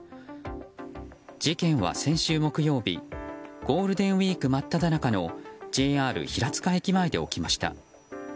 事件は先週木曜日ゴールデンウィーク真っただ中のＪＲ平塚駅前で起きました。